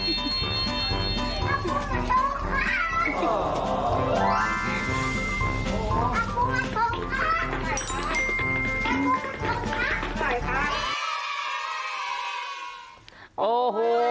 น้องตอยล้วยครับ